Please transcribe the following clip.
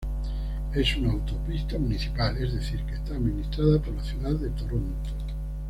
Es una autopista municipal, es decir, que está administrada por la ciudad de Toronto.